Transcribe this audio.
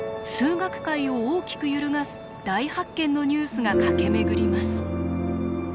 数学界を大きく揺るがす大発見のニュースが駆け巡ります。